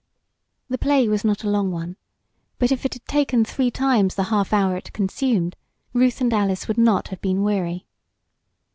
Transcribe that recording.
The play was not a long one, but if it had taken three times the half hour it consumed Ruth and Alice would not have been weary.